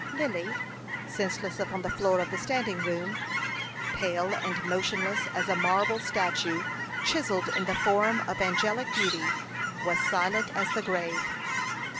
Lily, senseless upon the floor of the standing room, pale and motionless as a marble statue chiselled in the form of angelic beauty, was silent as the grave.